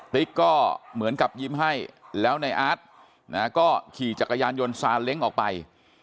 ติ๊กก็เหมือนกับยิ้มให้แล้วในอาร์ตก็ขี่จักรยานยนต์ซาเล้งออกไป